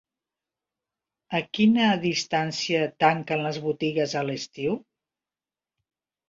A quina distància tanquen les botigues a l'estiu?